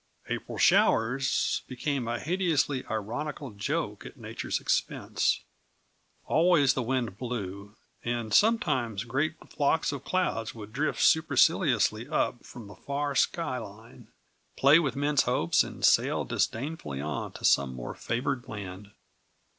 "April showers" became a hideously ironical joke at nature's expense. Always the wind blew, and sometimes great flocks of clouds would drift superciliously up from the far sky line, play with men's hopes, and sail disdainfully on to some more favored land.